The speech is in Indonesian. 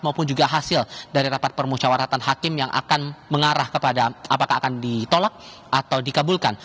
maupun juga hasil dari rapat permusyawaratan hakim yang akan mengarah kepada apakah akan ditolak atau dikabulkan